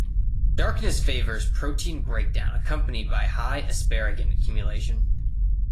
Darkness favors protein breakdown accompanied by high asparagine accumulation.